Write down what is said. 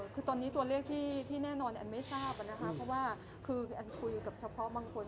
คือตอนนี้ตัวเลขที่แน่นอนแอนไม่ทราบนะคะเพราะว่าคืออันคุยกับเฉพาะบางคน